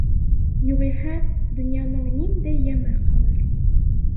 Юғиһә донъяның ниндәй йәме ҡалыр!